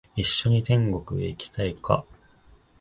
一緒に天国へ行きたいか？